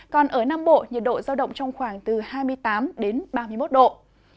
còn ở nam bộ nhiệt độ giao động trong khoảng từ hai mươi tám ba mươi một độ